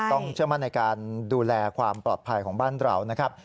เชื่อมั่นในการดูแลความปลอดภัยของบ้านเรานะครับ